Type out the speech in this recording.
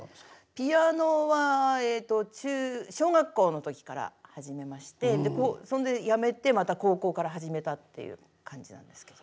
ピアノはえっと中小学校の時から始めましてそれでやめてまた高校から始めたっていう感じなんですけど。